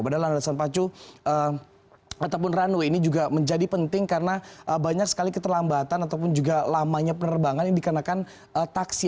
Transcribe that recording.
padahal landasan pacu ataupun runway ini juga menjadi penting karena banyak sekali keterlambatan ataupun juga lamanya penerbangan yang dikarenakan taksi